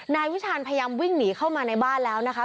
นายวิชาญพยายามวิ่งหนีเข้ามาในบ้านแล้วนะคะ